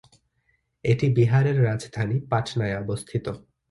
এটি বিহারের রাজধানী পাটনায় অবস্থিত।